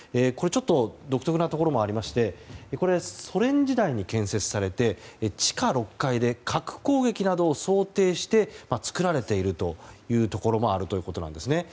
独特なところもありましてこれはソ連時代に建設されて地下６階で核攻撃などを想定して作られているというところもあるということです。